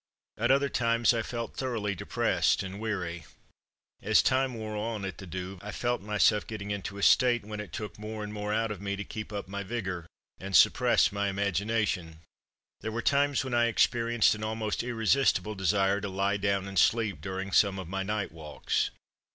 At other times I felt thoroughly depressed and weary. As time wore on at the Douve, I felt myself getting into a state when it took more and more out of me to keep up my vigour, and suppress my imagination. There were times when I experienced an almost irresistible desire to lie down and sleep during some of my night walks.